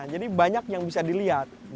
jadi banyak yang bisa dilihat